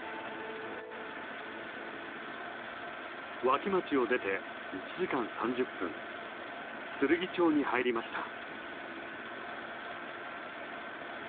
脇町を出て１時間３０分つるぎ町に入りました。